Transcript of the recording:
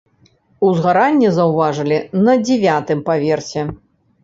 Узгаранне заўважылі на дзявятым паверсе.